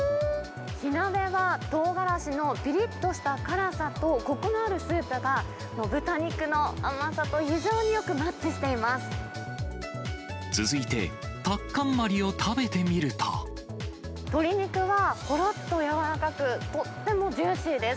火鍋はとうがらしのぴりっとした辛さとこくのあるスープが、豚肉の甘さと非常によく続いて、タッカンマリを食べ鶏肉は、ほろっと柔らかく、とってもジューシーです。